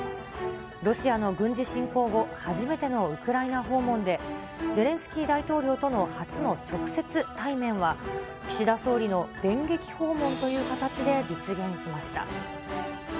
ロシアの軍事侵攻後、初めてのウクライナ訪問で、ゼレンスキー大統領との初の直接対面は、岸田総理の電撃訪問という形で実現しました。